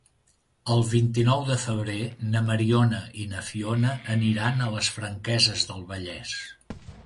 El vint-i-nou de febrer na Mariona i na Fiona aniran a les Franqueses del Vallès.